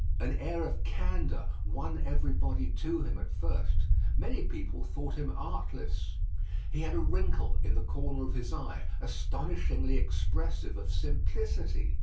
An air of candour won everybody to him at first; many people thought him artless. He had a wrinkle in the corner of his eye, astonishingly expressive of simplicity.